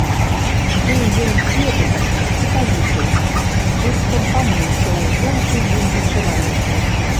Быў ён свежы такі, сакавіты, быццам памыўся ў золкай вільгаці раніцы.